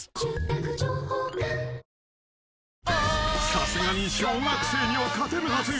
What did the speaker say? ［さすがに小学生には勝てるはず］